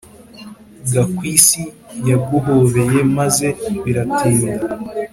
Gakwisi yaguhobeye maze biratinda